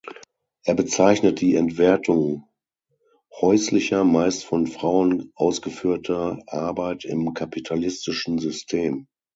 Er bezeichnet die Entwertung häuslicher, meist von Frauen ausgeführter, Arbeit im kapitalistischen System.